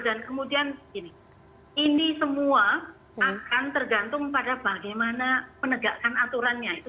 dan kemudian ini semua akan tergantung pada bagaimana penegakan aturannya